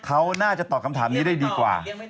เขาน่าจะตอบคำถามนี้ได้ดีกว่า